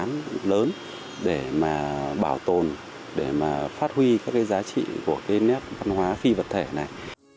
những cái lực lượng lớn để mà bảo tồn để mà phát huy các cái giá trị của cái nét văn hóa phi vật thể này